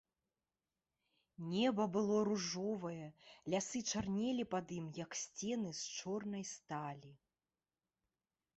Неба было ружовае, лясы чарнелі пад ім, як сцены з чорнай сталі.